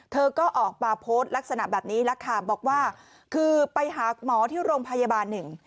เธอก็ออกมาโพสต์ลักษณะแบบนี้แล้วค่ะบอกว่าคือไปหาหมอที่โรงพยาบาลหนึ่ง